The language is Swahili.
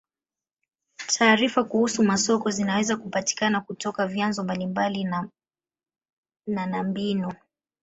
Taarifa kuhusu masoko zinaweza kupatikana kutoka vyanzo mbalimbali na na mbinu.